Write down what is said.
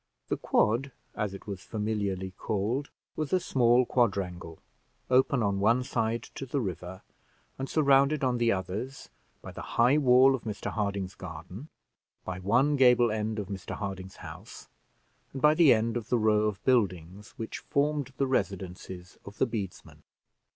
The quad, as it was familiarly called, was a small quadrangle, open on one side to the river, and surrounded on the others by the high wall of Mr Harding's garden, by one gable end of Mr Harding's house, and by the end of the row of buildings which formed the residences of the bedesmen.